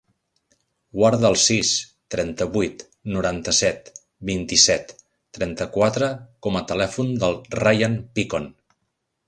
Guarda el sis, trenta-vuit, noranta-set, vint-i-set, trenta-quatre com a telèfon del Rayan Picon.